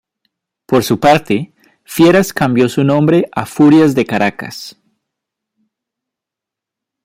Por su parte, Fieras cambió su nombre a Furias de Caracas.